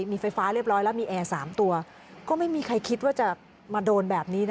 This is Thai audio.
มีไฟฟ้าเรียบร้อยแล้วมีแอร์๓ตัวก็ไม่มีใครคิดว่าจะมาโดนแบบนี้